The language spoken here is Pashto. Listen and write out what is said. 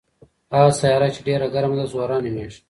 هغه سیاره چې ډېره ګرمه ده زهره نومیږي.